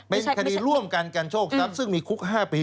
เป็นคดีร่วมกันกันโชคทรัพย์ซึ่งมีคุก๕ปี